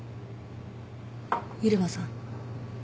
入間さん